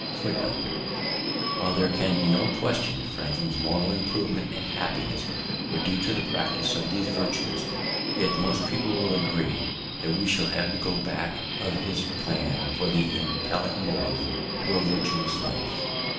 While there can be no question that Franklin's moral improvement and happiness were due to the practice of these virtues, yet most people will agree that we shall have to go back of his plan for the impelling motive to a virtuous life.